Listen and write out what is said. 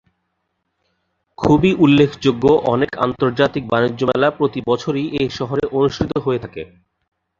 খুবই উল্লেখযোগ্য অনেক আন্তর্জাতিক বাণিজ্য মেলা প্রতিবছরই এ শহরে অনুষ্ঠিত হয়ে থাকে।